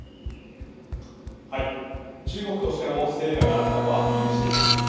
中国としても成果があったとアピールしています。